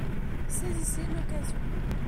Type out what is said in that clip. Saisissez l’occasion.